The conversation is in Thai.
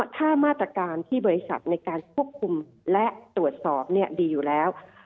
ถ้ามาตรการที่บริษัทในการควบคุมและตรวจสอบดีอยู่แล้ว